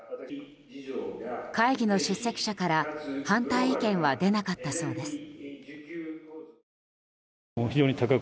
会議の出席者から反対意見は出なかったそうです。